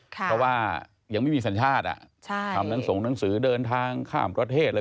เพราะว่ายังไม่มีสัญชาติทำทั้งส่งหนังสือเดินทางข้ามประเทศเลย